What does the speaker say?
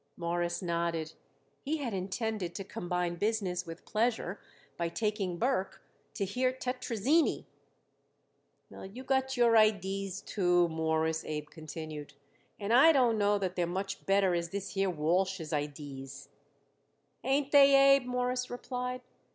Morris nodded. He had intended to combine business with pleasure by taking Burke to hear Tetrazzini. "Well, you got your idees, too, Mawruss," Abe continued; "and I don't know that they're much better as this here Walsh's idees." "Ain't they, Abe?" Morris replied.